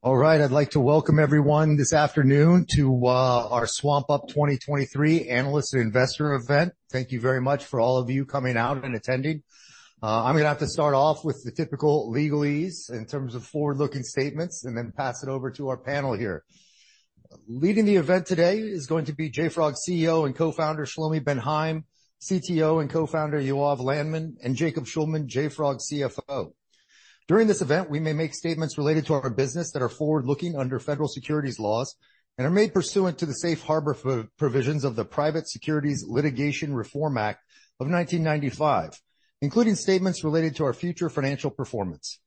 All right, I'd like to welcome everyone this afternoon to our SwampUP 2023 Analyst Investor event. Thank you very much for all of you coming out and attending. I'm gonna have to start off with the typical legalese in terms of forward-looking statements, and then pass it over to our panel here. Leading the event today is going to be JFrog's CEO and co-founder, Shlomi Ben Haim, CTO and co-founder, Yoav Landman, and Jacob Shulman, JFrog's CFO. During this event, we may make statements related to our business that are forward-looking under federal securities laws and are made pursuant to the safe harbor provisions of the Private Securities Litigation Reform Act of 1995, including statements related to our future financial performance.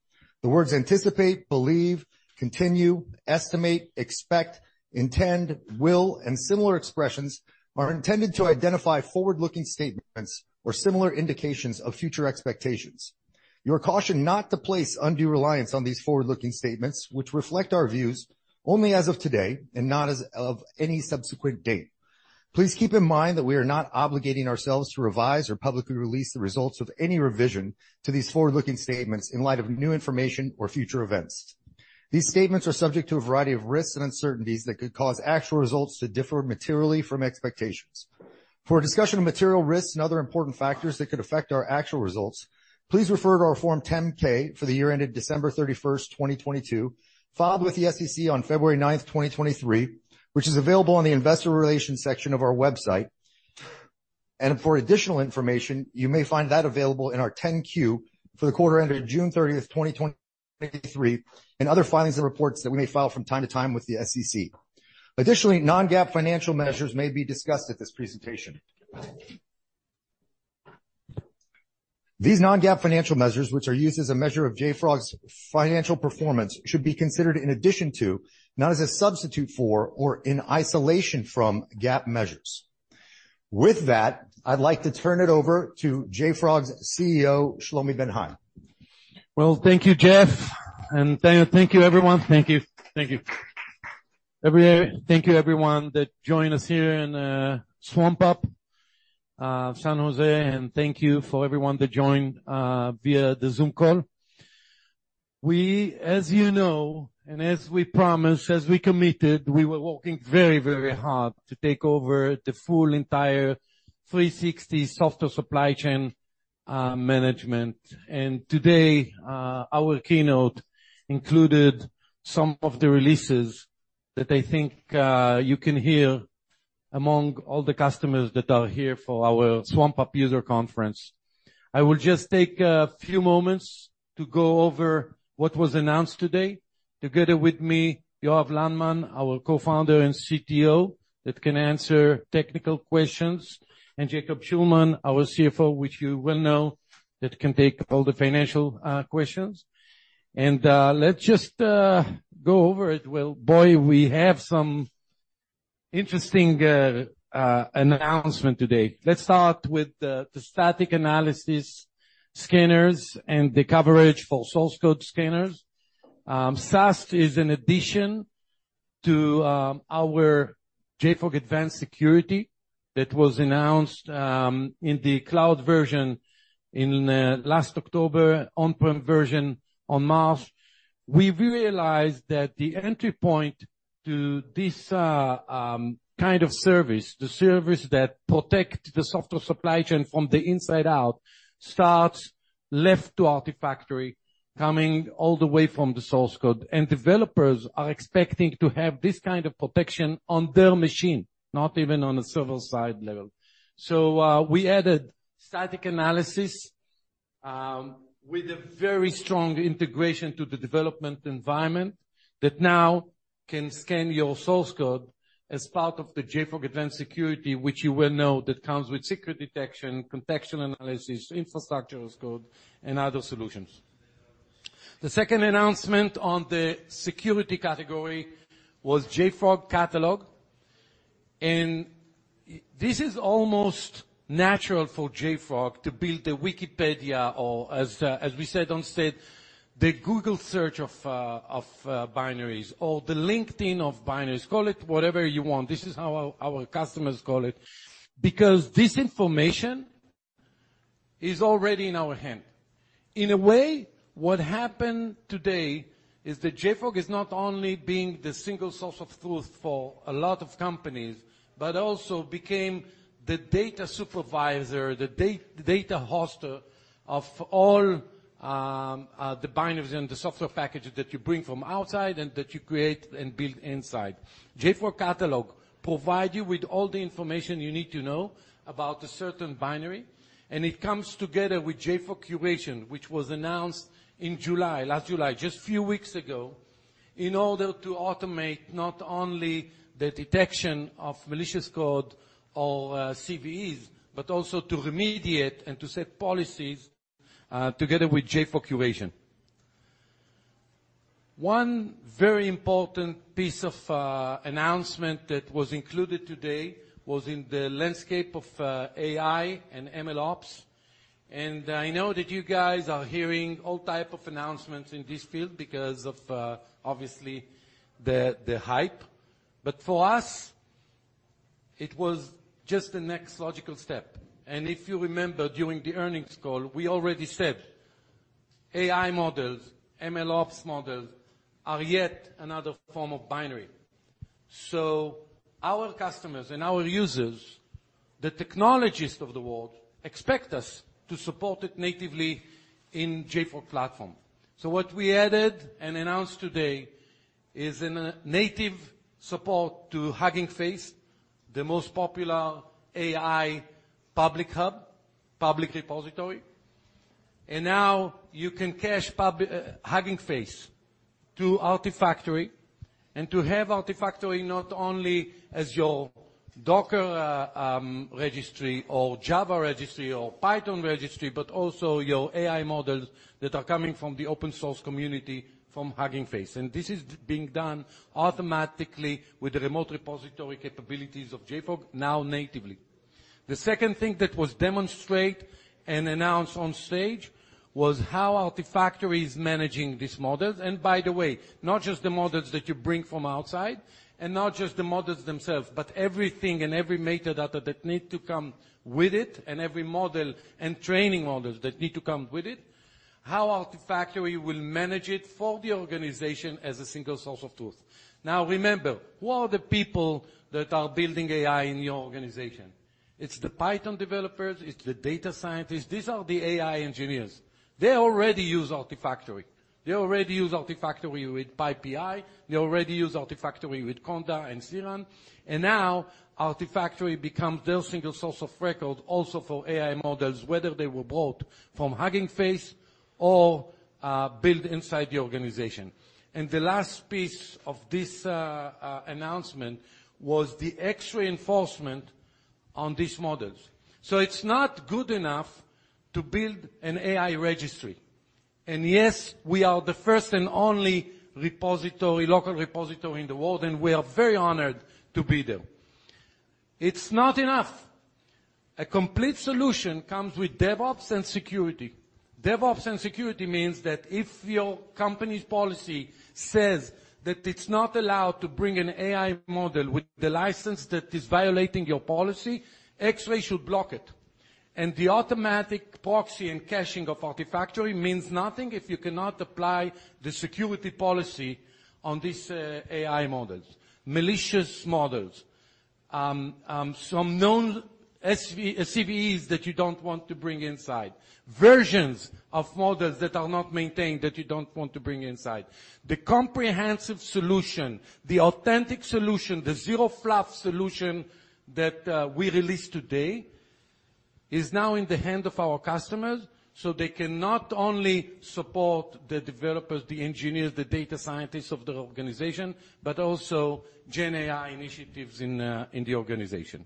The words anticipate, believe, continue, estimate, expect, intend, will, and similar expressions are intended to identify forward-looking statements or similar indications of future expectations. You are cautioned not to place undue reliance on these forward-looking statements, which reflect our views only as of today and not as of any subsequent date. Please keep in mind that we are not obligating ourselves to revise or publicly release the results of any revision to these forward-looking statements in light of new information or future events. These statements are subject to a variety of risks and uncertainties that could cause actual results to differ materially from expectations. For a discussion of material risks and other important factors that could affect our actual results, please refer to our Form 10-K for the year ended December 31st, 2022, filed with the SEC on February 9th, 2023, which is available on the investor relations section of our website. For additional information, you may find that available in our 10-Q for the quarter ended June 30, 2023, and other filings and reports that we may file from time to time with the SEC. Additionally, non-GAAP financial measures may be discussed at this presentation. These non-GAAP financial measures, which are used as a measure of JFrog's financial performance, should be considered in addition to, not as a substitute for, or in isolation from, GAAP measures. With that, I'd like to turn it over to JFrog's CEO, Shlomi Ben Haim. Well, thank you, Jeff, and thank you, everyone. Thank you. Thank you. Thank you, everyone, that joined us here in swampUP, San Jose, and thank you for everyone that joined via the Zoom call. We, as you know, and as we promised, as we committed, were working very, very hard to take over the full, entire 360 software supply chain management. Today, our keynote included some of the releases that I think you can hear among all the customers that are here for our swampUP user conference. I will just take a few moments to go over what was announced today. Together with me, Yoav Landman, our co-founder and CTO, that can answer technical questions, and Jacob Shulman, our CFO, which you well know, that can take all the financial questions. Let's just go over it. Well, boy, we have some interesting announcement today. Let's start with the static analysis scanners and the coverage for source code scanners. SAS is an addition to our JFrog Advanced Security that was announced in the cloud version in last October, on-prem version on March. We've realized that the entry point to this kind of service, the service that protect the software supply chain from the inside out, starts left to Artifactory, coming all the way from the source code. And developers are expecting to have this kind of protection on their machine, not even on a server-side level. So, we added static analysis with a very strong integration to the development environment, that now can scan your source code as part of the JFrog Advanced Security, which you well know, that comes with secret detection, contextual analysis, infrastructure as code, and other solutions. The second announcement on the security category was JFrog Catalog, and this is almost natural for JFrog to build a Wikipedia or as we said on stage, the Google search of binaries, or the LinkedIn of binaries. Call it whatever you want. This is how our customers call it, because this information is already in our hand. In a way, what happened today is that JFrog is not only being the single source of truth for a lot of companies, but also became the data supervisor, the data hoster of all the binaries and the software packages that you bring from outside and that you create and build inside. JFrog Catalog provide you with all the information you need to know about a certain binary, and it comes together with JFrog Curation, which was announced in July, last July, just a few weeks ago, in order to automate not only the detection of malicious code or CVEs, but also to remediate and to set policies together with JFrog Curation. One very important piece of announcement that was included today was in the landscape of AI and MLOps. And I know that you guys are hearing all type of announcements in this field because of, obviously the hype. But for us it was just the next logical step. And if you remember, during the earnings call, we already said AI models, MLOps models, are yet another form of binary. So our customers and our users, the technologists of the world, expect us to support it natively in JFrog Platform. So what we added and announced today is a native support to Hugging Face, the most popular AI public hub, public repository. And now you can cache pub Hugging Face to Artifactory, and to have Artifactory not only as your Docker registry or Java registry or Python registry, but also your AI models that are coming from the open source community from Hugging Face. This is being done automatically with the remote repository capabilities of JFrog, now natively. The second thing that was demonstrate and announced on stage was how Artifactory is managing these models. By the way, not just the models that you bring from outside, and not just the models themselves, but everything and every metadata that need to come with it, and every model and training models that need to come with it, how Artifactory will manage it for the organization as a single source of truth. Now, remember, who are the people that are building AI in your organization? It's the Python developers, it's the data scientists. These are the AI engineers. They already use Artifactory. They already use Artifactory with PyPI, they already use Artifactory with Conda and CRAN, and now Artifactory becomes their single source of record also for AI models, whether they were bought from Hugging Face or built inside the organization. The last piece of this announcement was the Xray enforcement on these models. It's not good enough to build an AI registry. Yes, we are the first and only local repository in the world, and we are very honored to be there. It's not enough. A complete solution comes with DevOps and security. DevOps and security means that if your company's policy says that it's not allowed to bring an AI model with the license that is violating your policy, Xray should block it. The automatic proxy and caching of Artifactory means nothing if you cannot apply the security policy on these AI models, malicious models, some known CVEs that you don't want to bring inside, versions of models that are not maintained, that you don't want to bring inside. The comprehensive solution, the authentic solution, the zero fluff solution that we released today, is now in the hand of our customers, so they can not only support the developers, the engineers, the data scientists of the organization, but also Gen AI initiatives in the organization.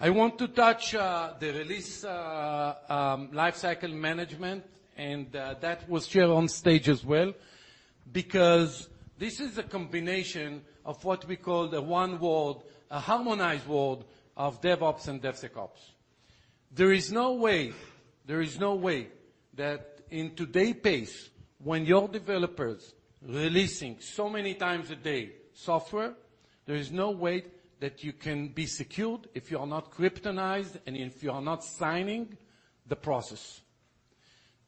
I want to touch the release lifecycle management, and that was shared on stage as well, because this is a combination of what we call the one world, a harmonized world of DevOps and DevSecOps. There is no way, there is no way that in today's pace, when your developers releasing so many times a day software, there is no way that you can be secured if you are not cryptonized and if you are not signing the process.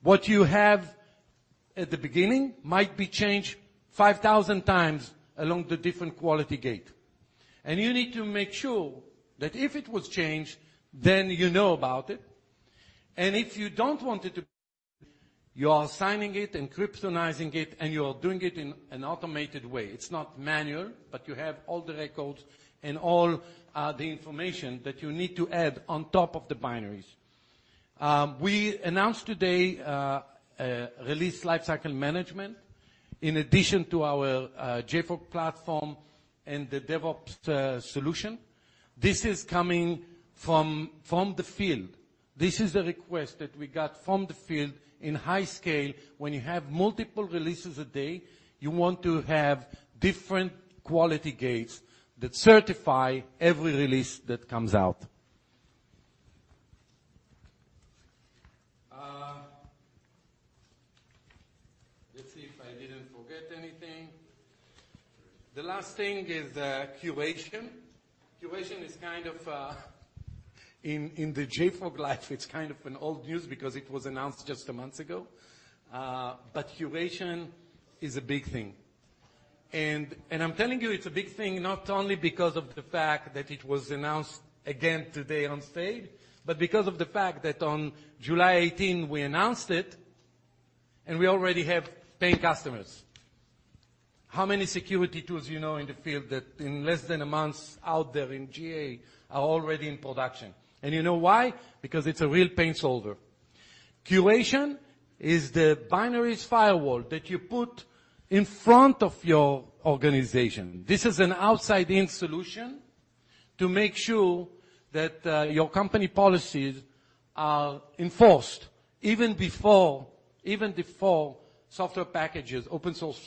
What you have at the beginning might be changed 5,000 times along the different quality gate, and you need to make sure that if it was changed, then you know about it. And if you don't want it to. You are signing it and cryptonizing it, and you are doing it in an automated way. It's not manual, but you have all the records and all, the information that you need to add on top of the binaries. We announced today, release lifecycle management in addition to our, JFrog Platform and the DevOps, solution. This is coming from the field. This is a request that we got from the field in high scale. When you have multiple releases a day, you want to have different quality gates that certify every release that comes out. Let's see if I didn't forget anything. The last thing is Curation. Curation is kind of in the JFrog life; it's kind of old news because it was announced just a month ago. But Curation is a big thing. And I'm telling you, it's a big thing, not only because of the fact that it was announced again today on stage, but because of the fact that on July 18th, we announced it, and we already have paying customers. How many security tools you know in the field that in less than a month, out there in GA, are already in production? And you know why? Because it's a real pain solver. Curation is the binaries firewall that you put in front of your organization. This is an outside-in solution to make sure that your company policies are enforced even before, even before software packages, open source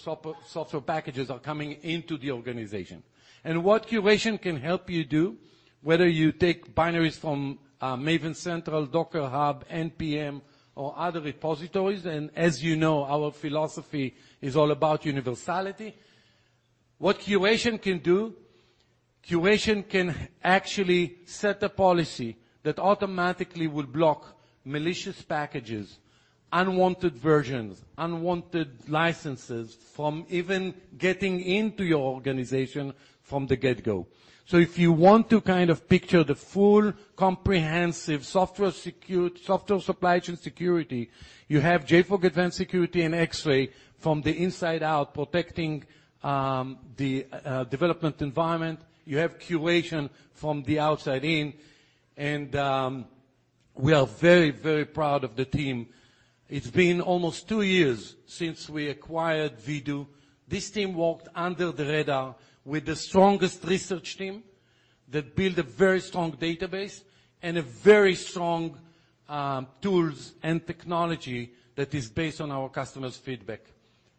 software packages are coming into the organization. And what Curation can help you do? Whether you take binaries from Maven Central, Docker Hub, NPM, or other repositories, and as you know, our philosophy is all about universality. What Curation can do, Curation can actually set a policy that automatically will block malicious packages, unwanted versions, unwanted licenses from even getting into your organization from the get-go. So if you want to kind of picture the full comprehensive software secure software supply chain security, you have JFrog Advanced Security and Xray from the inside out, protecting the development environment. You have Curation from the outside in, and, we are very, very proud of the team. It's been almost two years since we acquired Vdoo. This team worked under the radar with the strongest research team, that built a very strong database and a very strong, tools and technology that is based on our customers' feedback.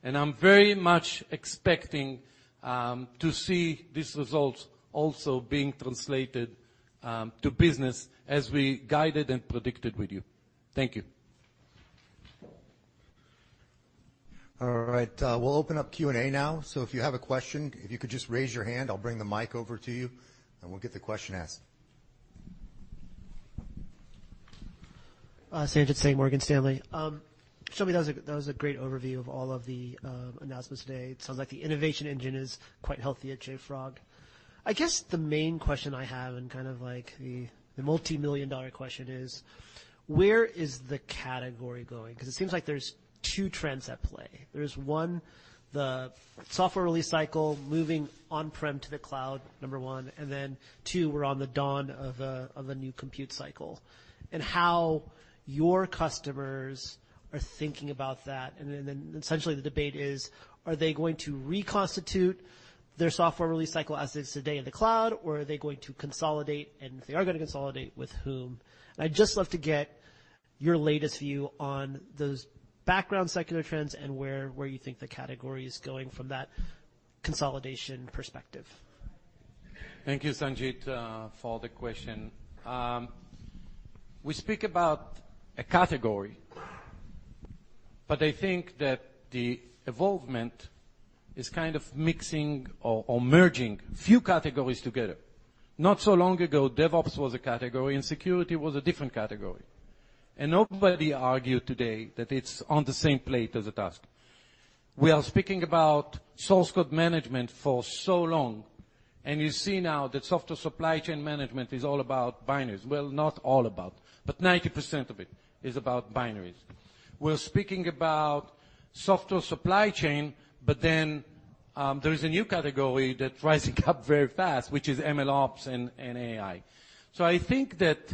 And I'm very much expecting, to see these results also being translated, to business as we guided and predicted with you. Thank you. All right, we'll open up Q&A now. So if you have a question, if you could just raise your hand, I'll bring the mic over to you, and we'll get the question asked. Sanjit Singh, Morgan Stanley. Shlomi, that was a great overview of all of the announcements today. It sounds like the innovation engine is quite healthy at JFrog. I guess the main question I have, and kind of like the multimillion dollar question is: Where is the category going? 'Cause it seems like there's two trends at play. There's one, the software release cycle moving on-prem to the cloud, number one, and then two, we're on the dawn of a new compute cycle, and how your customers are thinking about that. Then essentially, the debate is, are they going to reconstitute their software release cycle as it is today in the cloud, or are they going to consolidate, and if they are gonna consolidate, with whom? I'd just love to get your latest view on those background secular trends and where, where you think the category is going from that consolidation perspective. Thank you, Sanjit, for the question. We speak about a category, but I think that the evolvement is kind of mixing or merging few categories together. Not so long ago, DevOps was a category, and Security was a different category, and nobody argued today that it's on the same plate as a task. We are speaking about source code management for so long, and you see now that software supply chain management is all about binaries. Well, not all about, but 90% of it is about binaries. We're speaking about software supply chain, but then, there is a new category that's rising up very fast, which is MLOps and AI. So I think that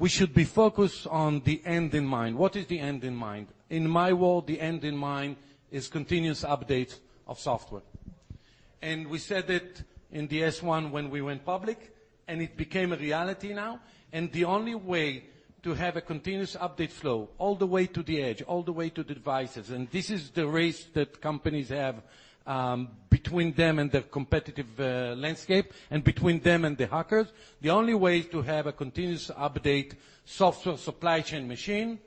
we should be focused on the end in mind. What is the end in mind? In my world, the end in mind is continuous update of software. And we said it in the S-1 when we went public, and it became a reality now. And the only way to have a continuous update flow all the way to the edge, all the way to the devices, and this is the race that companies have between them and their competitive landscape and between them and the hackers. The only way to have a continuous update software supply chain machine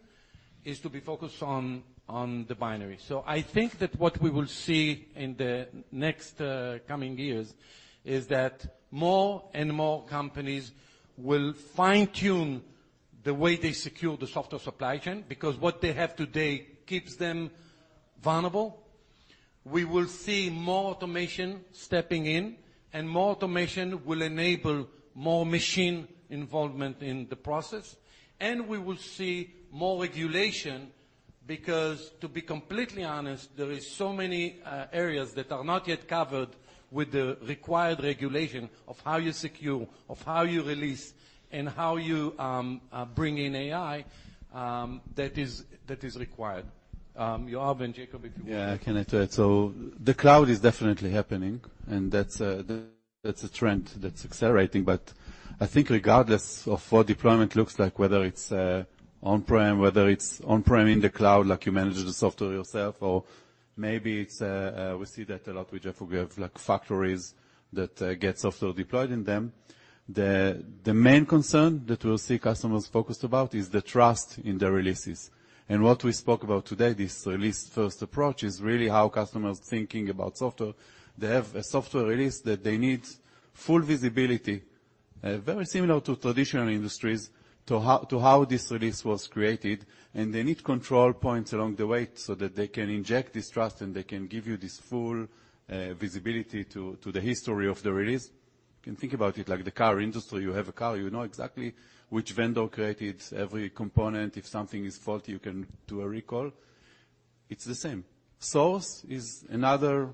is to be focused on the binary. So I think that what we will see in the next coming years is that more and more companies will fine-tune the way they secure the software supply chain, because what they have today keeps them vulnerable. We will see more automation stepping in, and more automation will enable more machine involvement in the process, and we will see more regulation, because, to be completely honest, there is so many areas that are not yet covered with the required regulation of how you secure, of how you release, and how you bring in AI that is required. Yoav and Jacob, if you- Yeah, I can add to it. So the cloud is definitely happening, and that's a trend that's accelerating. But I think regardless of what deployment looks like, whether it's on-prem, whether it's on-prem in the cloud, like you manage the software yourself, or maybe it's a, we see that a lot with JFrog, we have, like, factories that get software deployed in them. The main concern that we'll see customers focused about is the trust in their releases. And what we spoke about today, this release-first approach, is really how customers thinking about software. They have a software release that they need full visibility, very similar to traditional industries, to how this release was created. They need control points along the way so that they can inject this trust, and they can give you this full visibility to the history of the release. You can think about it like the car industry. You have a car, you know exactly which vendor created every component. If something is faulty, you can do a recall. It's the same. Source is another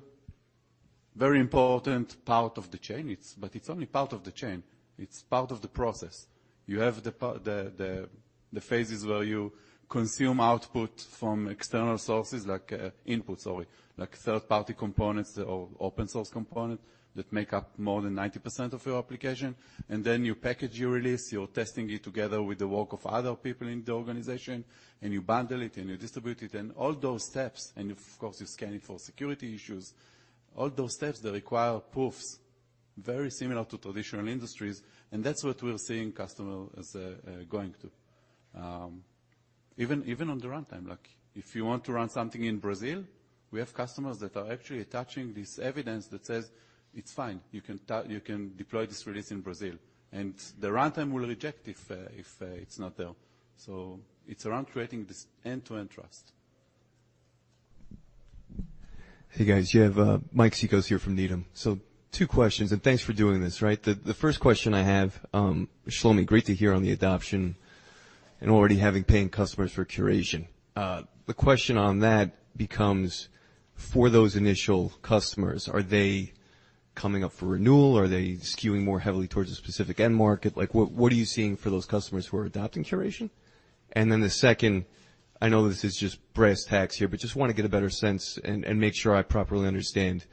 very important part of the chain. But it's only part of the chain. It's part of the process. You have the part, the phases where you consume output from external sources, like input, sorry, like third-party components or open source component, that make up more than 90% of your application. Then you package your release, you're testing it together with the work of other people in the organization, and you bundle it, and you distribute it. All those steps, and of course, you scan it for security issues, all those steps, they require proofs, very similar to traditional industries, and that's what we're seeing customers going to. Even, even on the runtime, like if you want to run something in Brazil, we have customers that are actually attaching this evidence that says, "It's fine, you can deploy this release in Brazil." And the runtime will reject if it's not there. So it's around creating this end-to-end trust. Hey, guys, you have Mike Cikos here from Needham. So two questions, and thanks for doing this, right? The first question I have, Shlomi, great to hear on the adoption and already having paying customers for Curation. The question on that becomes, for those initial customers, are they coming up for renewal? Are they skewing more heavily towards a specific end market? Like, what are you seeing for those customers who are adopting Curation? And then the second, I know this is just brass tacks here, but just want to get a better sense and make sure I properly understand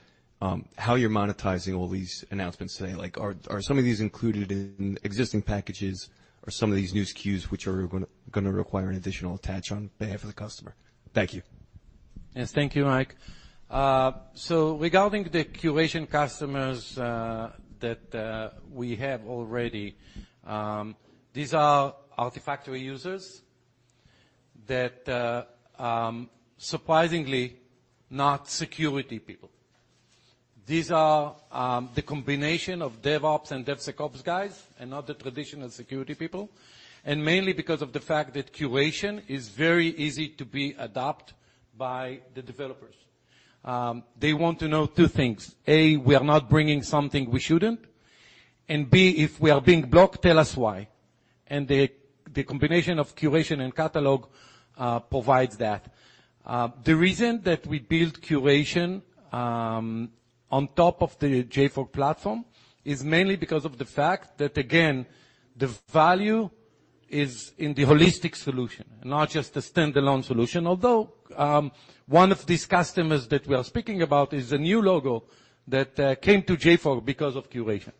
how you're monetizing all these announcements today. Like, are some of these included in existing packages, or some of these new SKUs, which are gonna require an additional attach on behalf of the customer? Thank you. Yes, thank you, Mike. So regarding the Curation customers we have already, these are Artifactory users that surprisingly not security people. These are the combination of DevOps and DevSecOps guys and not the traditional security people, and mainly because of the fact that Curation is very easy to be adopt by the developers. They want to know two things: A, we are not bringing something we shouldn't, and B, if we are being blocked, tell us why. And the combination of Curation and Catalog provides that. The reason that we build Curation on top of the JFrog Platform is mainly because of the fact that, again, the value is in the holistic solution, not just the standalone solution. Although, one of these customers that we are speaking about is a new logo that came to JFrog because of Curation.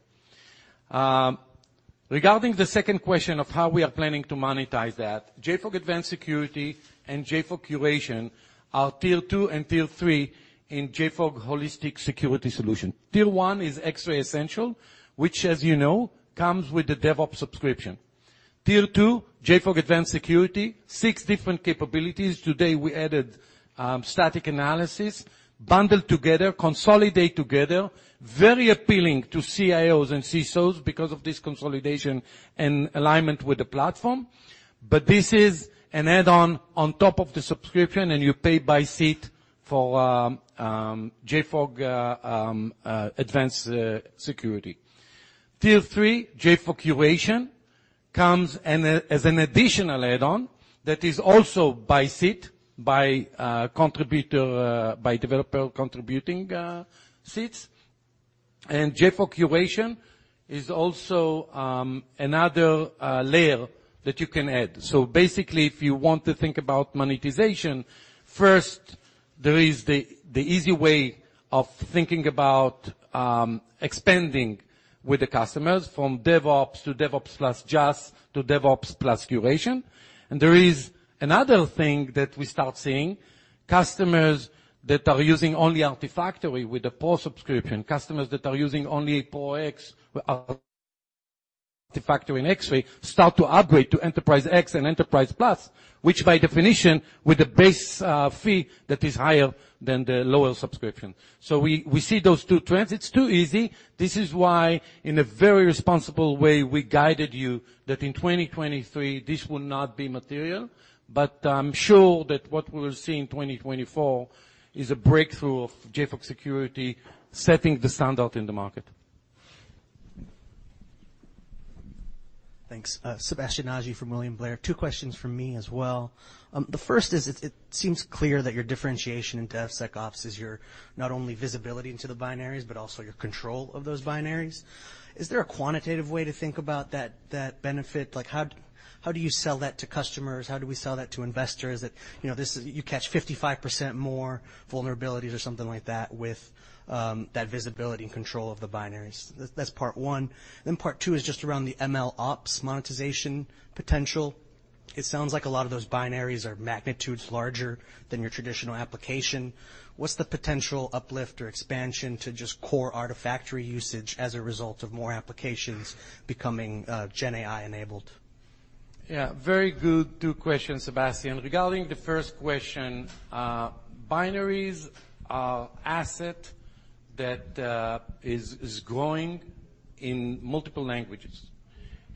Regarding the second question of how we are planning to monetize that, JFrog Advanced Security and JFrog Curation are tier two and tier three in JFrog holistic security solution. Tier one is Xray Essential, which, as you know, comes with a DevOps subscription. Tier two, JFrog Advanced Security, six different capabilities. Today, we added static analysis, bundled together, consolidate together, very appealing to CIOs and CSOs because of this consolidation and alignment with the platform. But this is an add-on on top of the subscription, and you pay by seat for JFrog Advanced Security. Tier three, JFrog Curation, comes and as an additional add-on that is also by seat, by contributor, by developer contributing seats. JFrog Curation is also another layer that you can add. So basically, if you want to think about monetization, first, there is the easy way of thinking about expanding with the customers from DevOps to DevOps plus JaS, to DevOps plus Curation. And there is another thing that we start seeing, customers that are using only Artifactory with a Pro subscription, customers that are using only Pro X Artifactory and Xray, start to upgrade to Enterprise Xray and Enterprise Plus, which by definition, with a base fee that is higher than the lower subscription. So we see those two trends. It's too easy. This is why, in a very responsible way, we guided you that in 2023, this will not be material, but I'm sure that what we'll see in 2024 is a breakthrough of JFrog Security, setting the standard in the market. Thanks. Sebastien Naji from William Blair. Two questions from me as well. The first is, it seems clear that your differentiation in DevSecOps is your not only visibility into the binaries, but also your control of those binaries. Is there a quantitative way to think about that benefit? Like, how do you sell that to customers, how do we sell that to investors? That, you know, you catch 55% more vulnerabilities or something like that with that visibility and control of the binaries. That's part one. Then part two is just around the MLOps monetization potential. It sounds like a lot of those binaries are magnitudes larger than your traditional application. What's the potential uplift or expansion to just core Artifactory usage as a result of more applications becoming GenAI-enabled? Yeah, very good two questions, Sebastian. Regarding the first question, binaries are asset that is growing in multiple languages,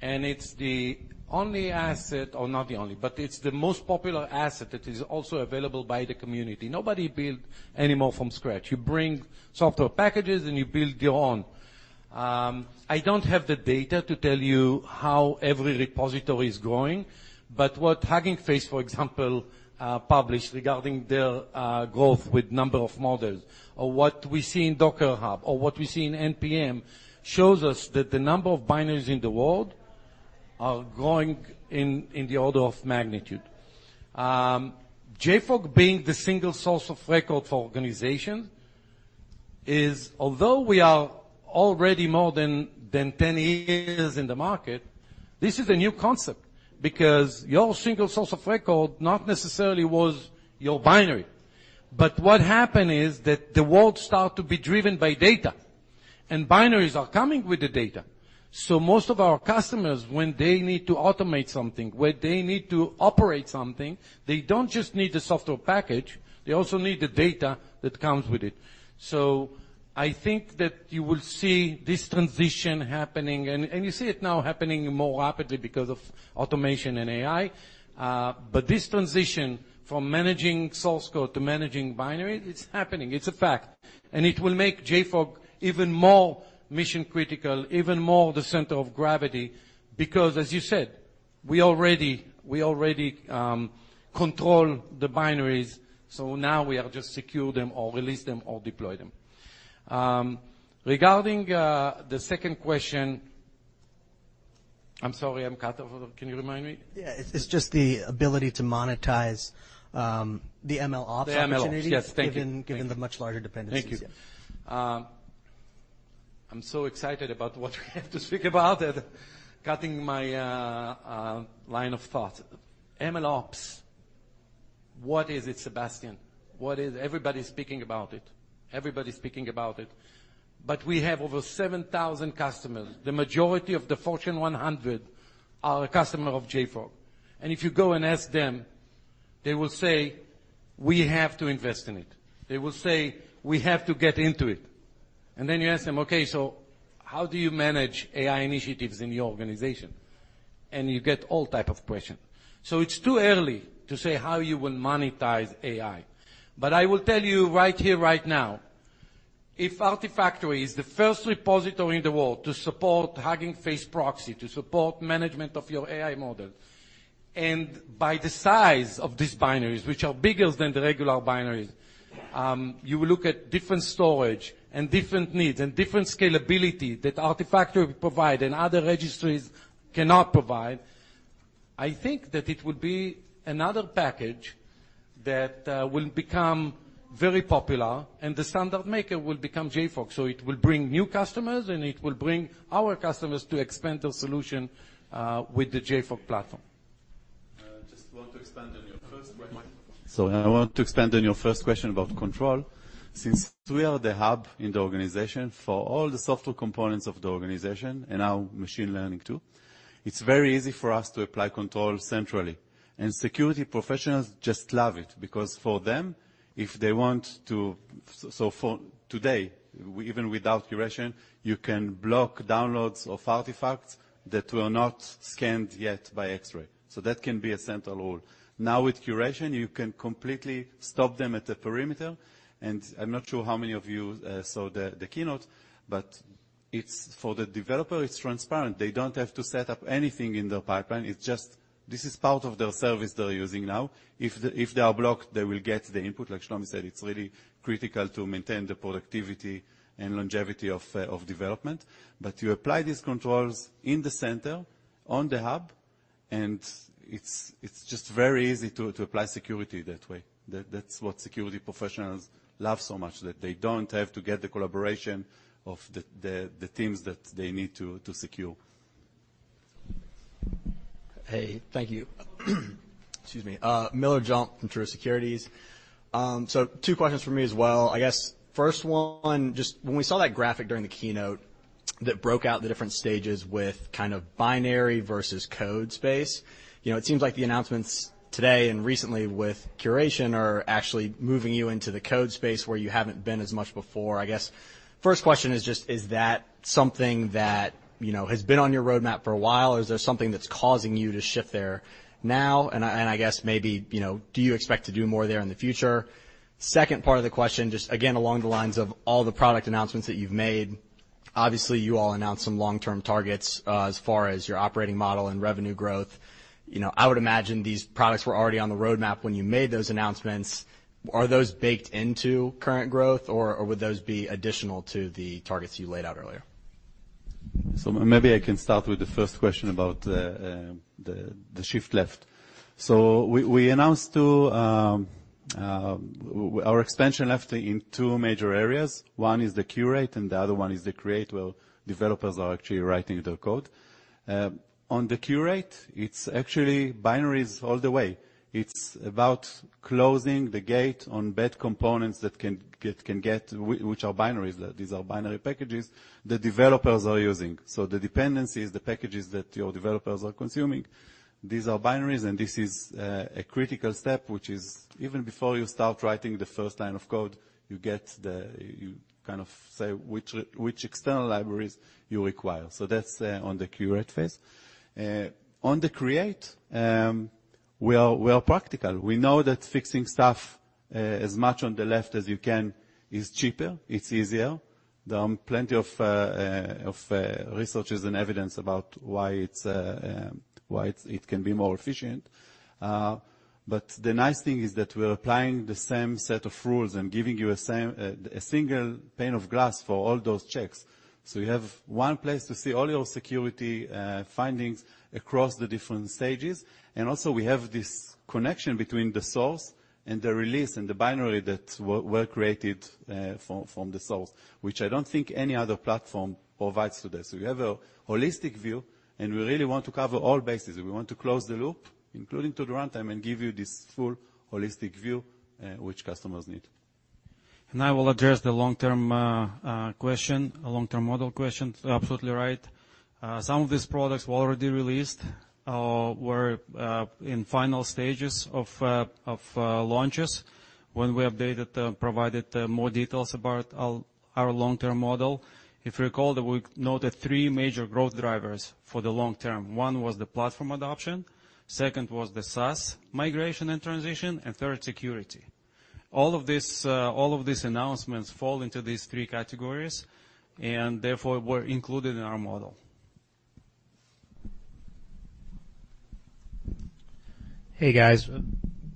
and it's the only asset, or not the only, but it's the most popular asset that is also available by the community. Nobody build anymore from scratch. You bring software packages, and you build your own. I don't have the data to tell you how every repository is growing, but what Hugging Face, for example, published regarding their growth with number of models, or what we see in Docker Hub, or what we see in NPM, shows us that the number of binaries in the world are growing in the order of magnitude. JFrog being the single source of record for organization is, although we are already more than 10 years in the market, this is a new concept. Because your single source of record, not necessarily was your binary, but what happened is that the world start to be driven by data and binaries are coming with the data. So most of our customers, when they need to automate something, when they need to operate something, they don't just need the software package, they also need the data that comes with it. So I think that you will see this transition happening, and, and you see it now happening more rapidly because of automation and AI. But this transition from managing source code to managing binary, it's happening, it's a fact, and it will make JFrog even more mission-critical, even more the center of gravity, because, as you said, we already control the binaries, so now we are just secure them or release them or deploy them. Regarding, the second question. I'm sorry, I'm cut off. Can you remind me? Yeah. It's, it's just the ability to monetize the MLOps opportunity- The MLOps, yes. Thank you. Given the much larger dependencies. Thank you. I'm so excited about what we have to speak about that, cutting my line of thought. MLOps, what is it, Sebastian? What is... Everybody's speaking about it. Everybody's speaking about it, but we have over 7,000 customers. The majority of the Fortune 100 are a customer of JFrog, and if you go and ask them, they will say, "We have to invest in it." They will say, "We have to get into it." And then you ask them: "Okay, so how do you manage AI initiatives in your organization?" And you get all type of question. So it's too early to say how you will monetize AI, but I will tell you right here, right now, if Artifactory is the first repository in the world to support Hugging Face proxy, to support management of your AI model, and by the size of these binaries, which are bigger than the regular binaries, you look at different storage and different needs and different scalability that Artifactory provide and other registries cannot provide, I think that it would be another package that will become very popular, and the standard maker will become JFrog. So it will bring new customers, and it will bring our customers to expand their solution with the JFrog platform. So I want to expand on your first question about control. Since we are the hub in the organization for all the software components of the organization and now machine learning, too, it's very easy for us to apply control centrally, and security professionals just love it because for them, if they want to. So for today, even without Curation, you can block downloads of artifacts that were not scanned yet by Xray, so that can be a central rule. Now, with Curation, you can completely stop them at the perimeter, and I'm not sure how many of you saw the keynote, but for the developer, it's transparent. They don't have to set up anything in their pipeline. It's just, this is part of their service they're using now. If they are blocked, they will get the input. Like Shlomi said, it's really critical to maintain the productivity and longevity of development. But you apply these controls in the center, on the hub, and it's just very easy to apply security that way. That's what security professionals love so much, that they don't have to get the collaboration of the teams that they need to secure. Hey, thank you. Excuse me. Miller Jump from Truist Securities. So two questions for me as well. I guess, first one, just when we saw that graphic during the keynote that broke out the different stages with kind of binary versus code space, you know, it seems like the announcements today and recently with Curation are actually moving you into the code space where you haven't been as much before. I guess, first question is just: is that something that, you know, has been on your roadmap for a while, or is there something that's causing you to shift there now? And I guess maybe, you know, do you expect to do more there in the future? Second part of the question, just again, along the lines of all the product announcements that you've made, obviously, you all announced some long-term targets, as far as your operating model and revenue growth. You know, I would imagine these products were already on the roadmap when you made those announcements. Are those baked into current growth or would those be additional to the targets you laid out earlier? So maybe I can start with the first question about the shift left. So we announced our expansion left in two major areas. One is the curate, and the other one is the create, where developers are actually writing their code. On the curate, it's actually binaries all the way. It's about closing the gate on bad components that can get which are binaries. These are binary packages the developers are using. So the dependencies, the packages that your developers are consuming, these are binaries, and this is a critical step, which is even before you start writing the first line of code, you kind of say which external libraries you require. So that's on the curate phase. On the create, we are practical. We know that fixing stuff as much on the left as you can is cheaper, it's easier. There are plenty of researches and evidence about why it can be more efficient. But the nice thing is that we're applying the same set of rules and giving you a same a single pane of glass for all those checks. So you have one place to see all your security findings across the different stages. And also, we have this connection between the source and the release and the binary that were created from the source, which I don't think any other platform provides to this. We have a holistic view, and we really want to cover all bases. We want to close the loop, including to the runtime, and give you this full holistic view, which customers need. I will address the long-term question, a long-term model question. Absolutely right. Some of these products were already released, were in final stages of launches when we provided more details about our long-term model. If you recall, that we noted three major growth drivers for the long term. One was the platform adoption, second was the SaaS migration and transition, and third, security. All of these announcements fall into these three categories, and therefore, were included in our model. Hey, guys,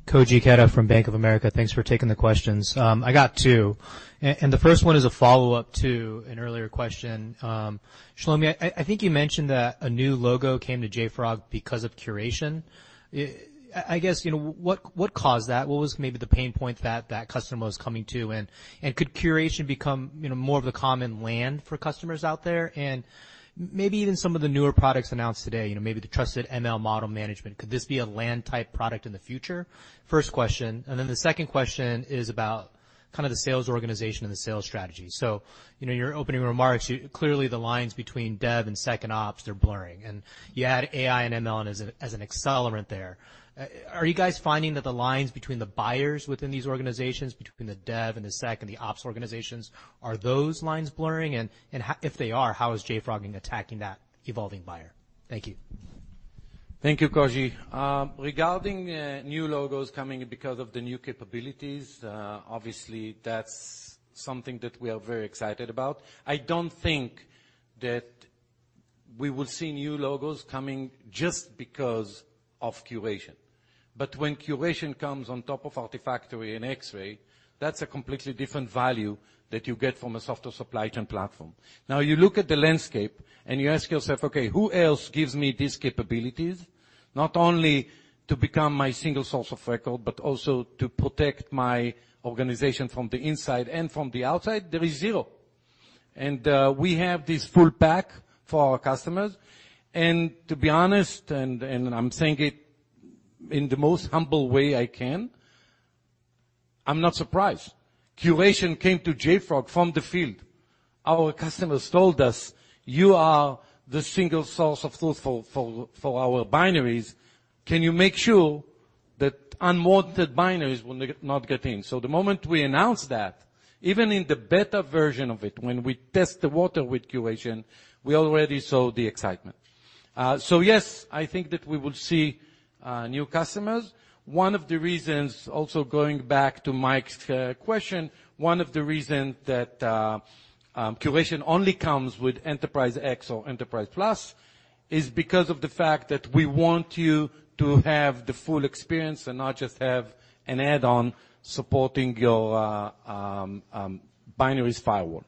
Koji Ikeda from Bank of America. Thanks for taking the questions. I got two, and the first one is a follow-up to an earlier question. Shlomi, I think you mentioned that a new logo came to JFrog because of Curation. I guess, you know, what caused that? What was maybe the pain point that that customer was coming to? And could Curation become, you know, more of a common land for customers out there? And maybe even some of the newer products announced today, you know, maybe the trusted ML model management, could this be a land-type product in the future? First question, and then the second question is about kind of the sales organization and the sales strategy. So, you know, your opening remarks, clearly, the lines between Dev and SecOps are blurring, and you add AI and ML as an accelerant there. Are you guys finding that the lines between the buyers within these organizations, between the dev and the sec and the ops organizations, are those lines blurring? And if they are, how is JFrog attacking that evolving buyer? Thank you. Thank you, Koji. Regarding new logos coming in because of the new capabilities, obviously, that's something that we are very excited about. I don't think that we will see new logos coming just because of Curation, but when Curation comes on top of Artifactory and Xray, that's a completely different value that you get from a software supply chain platform. Now, you look at the landscape, and you ask yourself, "Okay, who else gives me these capabilities, not only to become my single source of record, but also to protect my organization from the inside and from the outside?" There is zero. And we have this full pack for our customers, and to be honest, and, and I'm saying it in the most humble way I can, I'm not surprised. Curation came to JFrog from the field. Our customers told us, "You are the single source of truth for our binaries. Can you make sure that unwanted binaries will not get in?" So the moment we announced that, even in the beta version of it, when we test the waters with Curation, we already saw the excitement. So yes, I think that we will see new customers. One of the reasons, also going back to Mike's question, one of the reasons that Curation only comes with Enterprise X or Enterprise Plus is because of the fact that we want you to have the full experience and not just have an add-on supporting your binaries firewall.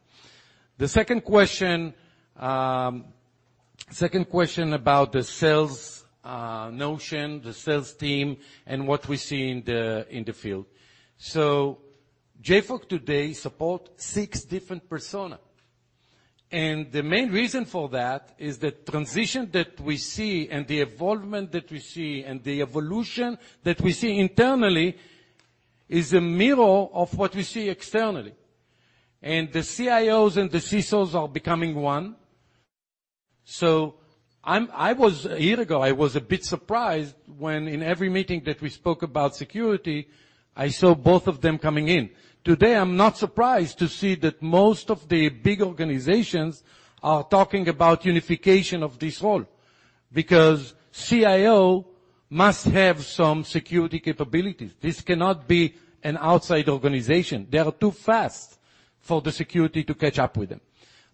The second question, second question about the sales motion, the sales team, and what we see in the field. JFrog today support six different persona, and the main reason for that is the transition that we see and the evolvement that we see, and the evolution that we see internally, is a mirror of what we see externally. The CIOs and the CSOs are becoming one. I was a bit surprised when, a year ago, in every meeting that we spoke about security, I saw both of them coming in. Today, I'm not surprised to see that most of the big organizations are talking about unification of this role, because CIO must have some security capabilities. This cannot be an outside organization. They are too fast for the security to catch up with them.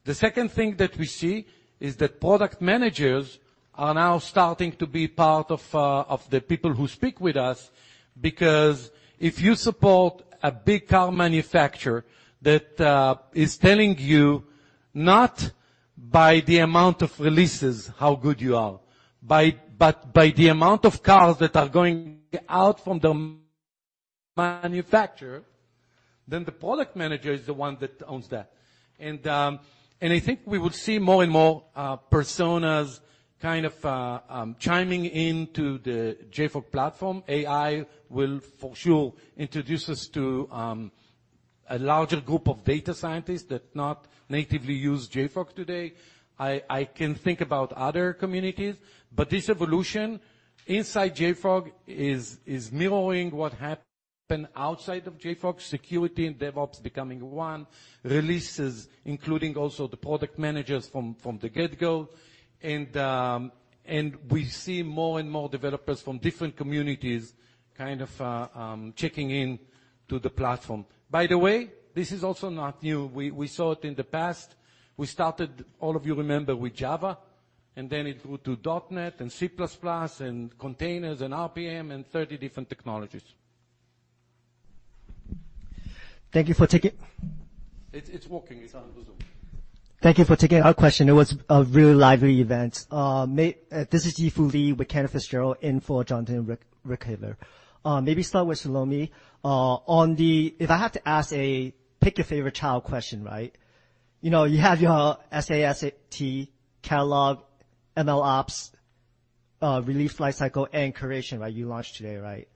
The second thing that we see is that Product Managers are now starting to be part of, of the people who speak with us, because if you support a big car manufacturer that, is telling you not by the amount of releases, how good you are, by, but by the amount of cars that are going out from the manufacturer, then the Product Manager is the one that owns that. And, and I think we will see more and more, personas kind of, chiming into the JFrog platform. AI will, for sure, introduce us to, a larger group of data scientists that not natively use JFrog today. I, I can think about other communities, but this evolution inside JFrog is, mirroring what happened outside of JFrog Security and DevOps, becoming one. Releases, including also the product managers from the get-go, and we see more and more developers from different communities kind of checking in to the platform. By the way, this is also not new. We saw it in the past. We started, all of you remember, with Java, and then it went to .NET and C++ and containers and RPM and 30 different technologies. Thank you for taking- It's working. Thank you for taking our question. It was a really lively event. This is Yi Fu Lee with Cantor Fitzgerald in for Jonathan Ruykhaver. Maybe start with Shlomi. If I have to ask a pick your favorite child question, right? You know, you have your SAST catalog, MLOps release life cycle and Curation, right? You launched today, right?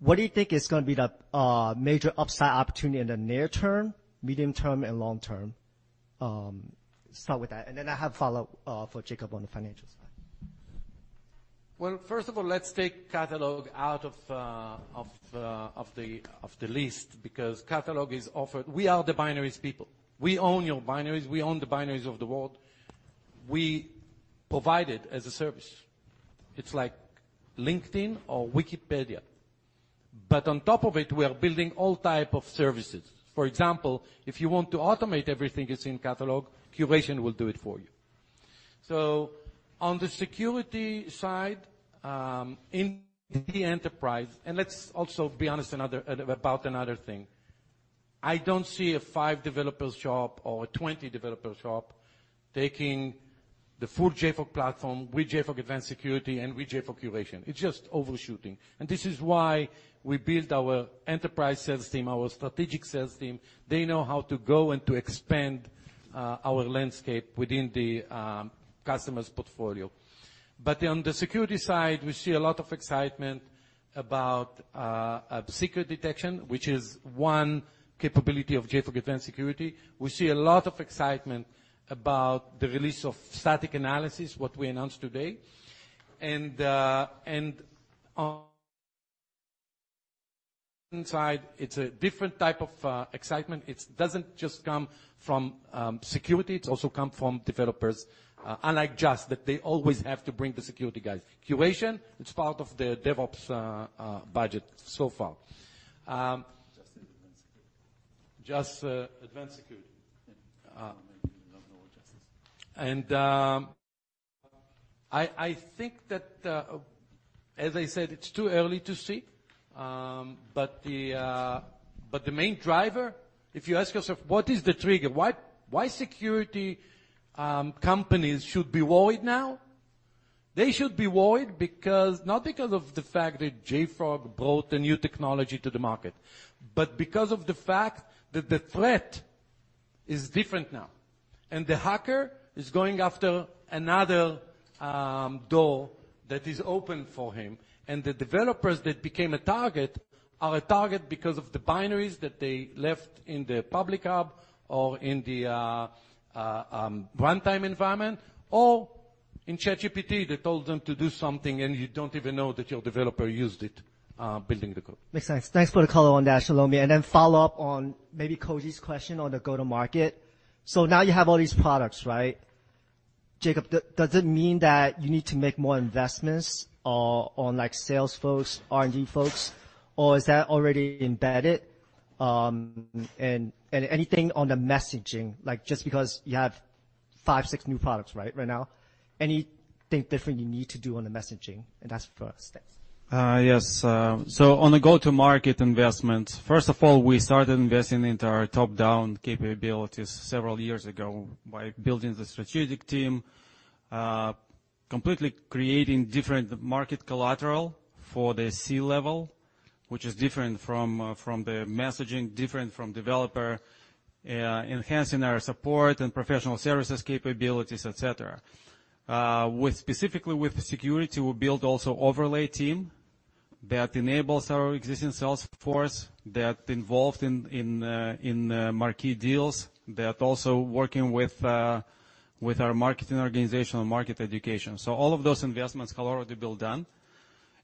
What do you think is going to be the major upside opportunity in the near term, medium term, and long term? Start with that, and then I have a follow-up for Jacob on the financial side. Well, first of all, let's take Catalog out of the list, because Catalog is offered. We are the binaries people. We own your binaries, we own the binaries of the world. We provide it as a service. It's like LinkedIn or Wikipedia, but on top of it, we are building all type of services. For example, if you want to automate everything that's in Catalog, Curation will do it for you. So on the security side, in the enterprise, and let's also be honest about another thing. I don't see a five-developer shop or a 20-developer shop taking the full JFrog Platform with JFrog Advanced Security and with JFrog Curation. It's just overshooting, and this is why we built our enterprise sales team, our strategic sales team. They know how to go and to expand our landscape within the customer's portfolio. But on the security side, we see a lot of excitement about secret detection, which is one capability of JFrog Advanced Security. We see a lot of excitement about the release of static analysis, what we announced today. And on inside, it's a different type of excitement. It doesn't just come from security, it's also come from developers. Unlike just that, they always have to bring the security guys. Curation, it's part of the DevOps budget so far. Just Advanced Security. Just Advanced Security. Yeah. And, I think that, as I said, it's too early to see, but the main driver, if you ask yourself, what is the trigger? Why security companies should be worried now? They should be worried because, not because of the fact that JFrog brought a new technology to the market, but because of the fact that the threat is different now, and the hacker is going after another door that is open for him, and the developers that became a target are a target because of the binaries that they left in the public hub or in the runtime environment, or in ChatGPT, they told them to do something, and you don't even know that your developer used it building the code. Makes sense. Thanks for the color on that, Shlomi, and then follow up on maybe Koji's question on the go-to-market. So now you have all these products, right? Jacob, does it mean that you need to make more investments, on, like, sales folks, R&D folks, or is that already embedded? And anything on the messaging, like, just because you have 5, 6 new products, right, right now, anything different you need to do on the messaging? And that's for Shlomi. Yes. So on the go-to-market investment, first of all, we started investing into our top-down capabilities several years ago by building the strategic team, completely creating different market collateral for the C-level, which is different from the messaging, different from developer, enhancing our support and professional services capabilities, et cetera. Specifically with security, we built also overlay team that enables our existing sales force that involved in marquee deals that also working with our marketing organization and market education. So all of those investments have already been done.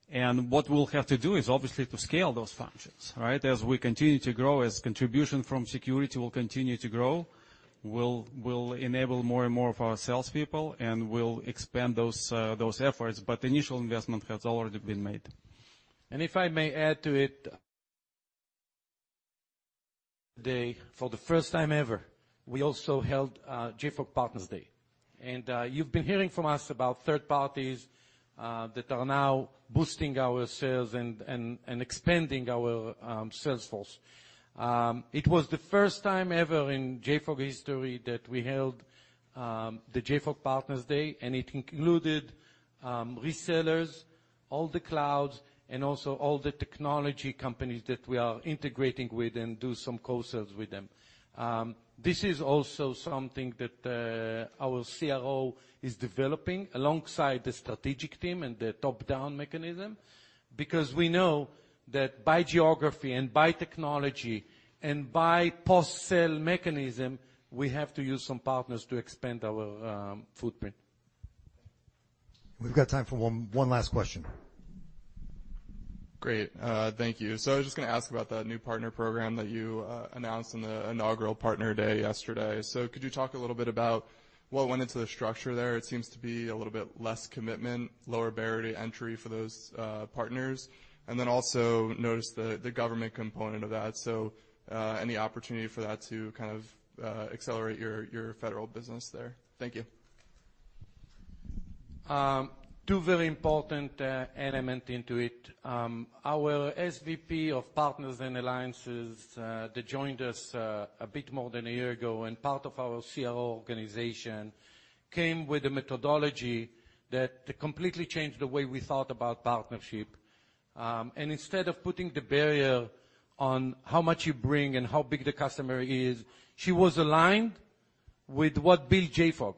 And what we'll have to do is obviously to scale those functions, right? As we continue to grow, as contribution from security will continue to grow, we'll enable more and more of our salespeople, and we'll expand those efforts, but initial investment has already been made. And if I may add to it, today, for the first time ever, we also held JFrog Partners Day. And you've been hearing from us about third parties that are now boosting our sales and expanding our sales force. It was the first time ever in JFrog history that we held the JFrog Partners Day, and it included resellers, all the clouds, and also all the technology companies that we are integrating with and do some co-sales with them. This is also something that our CRO is developing alongside the strategic team and the top-down mechanism, because we know that by geography and by technology and by post-sale mechanism, we have to use some partners to expand our footprint. We've got time for one last question. Great. Thank you. So I was just gonna ask about the new partner program that you announced in the inaugural Partner Day yesterday. So could you talk a little bit about what went into the structure there? It seems to be a little bit less commitment, lower barrier to entry for those partners. And then also noticed the government component of that. So, any opportunity for that to kind of accelerate your federal business there? Thank you. Two very important element into it. Our SVP of Partners and Alliances that joined us a bit more than a year ago, and part of our CRO organization, came with a methodology that completely changed the way we thought about partnership. And instead of putting the barrier on how much you bring and how big the customer is, she was aligned with what built JFrog?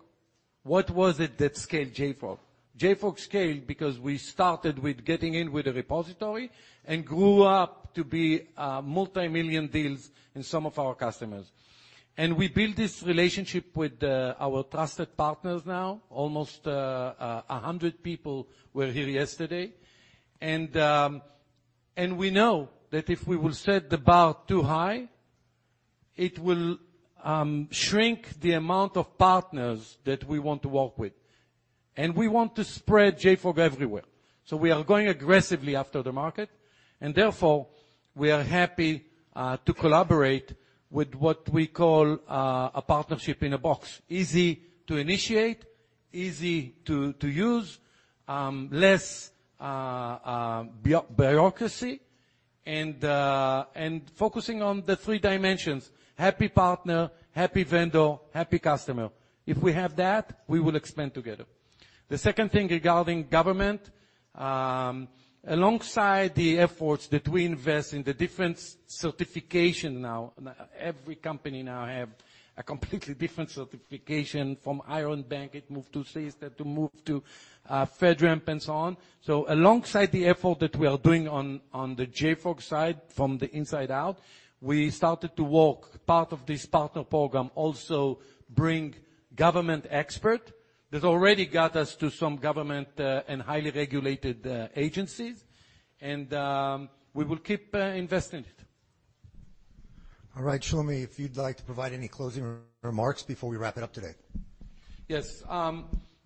What was it that scaled JFrog? JFrog scaled because we started with getting in with a repository and grew up to be multimillion deals in some of our customers. And we built this relationship with our trusted partners now. Almost 100 people were here yesterday, and we know that if we will set the bar too high, it will shrink the amount of partners that we want to work with, and we want to spread JFrog everywhere. So we are going aggressively after the market, and therefore, we are happy to collaborate with what we call a partnership in a box. Easy to initiate, easy to use, less bureaucracy, and focusing on the three dimensions: happy partner, happy vendor, happy customer. If we have that, we will expand together. The second thing regarding government, alongside the efforts that we invest in the different certification now, every company now have a completely different certification from Iron Bank, it moved to Cista, to move to FedRAMP, and so on. So, alongside the effort that we are doing on the JFrog side, from the inside out, we started to work part of this partner program, also bring government expert. That already got us to some government and highly regulated agencies, and we will keep investing in it. All right, Shlomi, if you'd like to provide any closing remarks before we wrap it up today? Yes.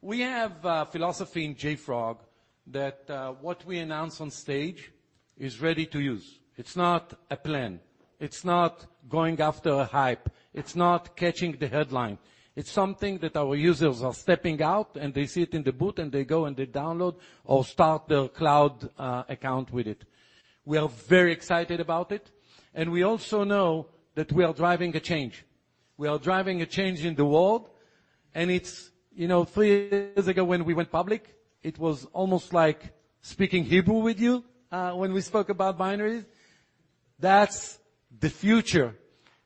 We have a philosophy in JFrog that what we announce on stage is ready to use. It's not a plan, it's not going after a hype, it's not catching the headline. It's something that our users are stepping out, and they see it in the boot, and they go and they download or start their cloud account with it. We are very excited about it, and we also know that we are driving a change. We are driving a change in the world, and it's, you know, three years ago, when we went public, it was almost like speaking Hebrew with you when we spoke about binaries. That's the future,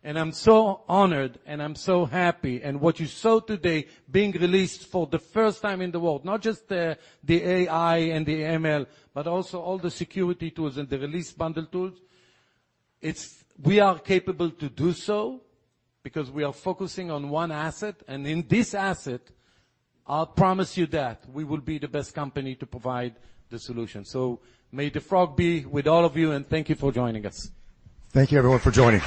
and I'm so honored, and I'm so happy. What you saw today, being released for the first time in the world, not just the, the AI and the ML, but also all the security tools and the release bundle tools, it's. We are capable to do so because we are focusing on one asset, and in this asset, I'll promise you that we will be the best company to provide the solution. So may JFrog be with all of you, and thank you for joining us. Thank you, everyone, for joining.